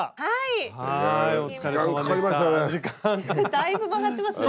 だいぶ曲がってますね。